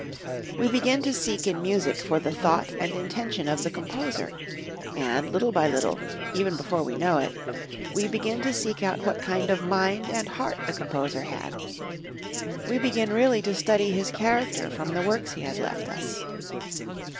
We begin to seek in music for the thought and intention of the composer, and, little by little, even before we know it, we begin to seek out what kind of mind and heart the composer had. We begin really to study his character from the works he has left us.